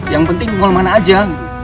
yang penting kalau mana aja